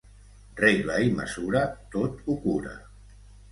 Regla i mesura tot ho cura.